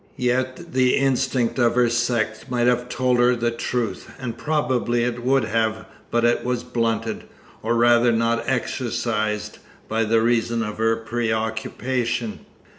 Yet the instinct of her sex might have told her the truth, and probably it would have but that it was blunted, or rather not exercised, by reason of her preoccupation.